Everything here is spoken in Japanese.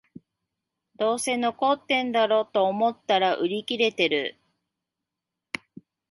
どうせ残ってんだろと思ったら売り切れてる